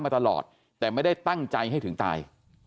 มาตลอดแต่ไม่ได้ตั้งใจให้ถึงตาย